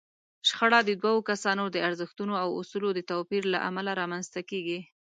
شخړه د دوو کسانو د ارزښتونو او اصولو د توپير له امله رامنځته کېږي.